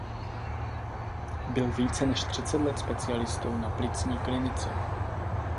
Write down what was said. Byl více než třicet let specialistou na plicní klinice.